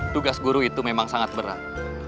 tugas guru itu memang sangat berat